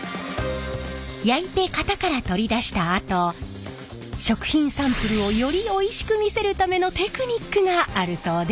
焼いて型から取り出したあと食品サンプルをよりおいしく見せるためのテクニックがあるそうで。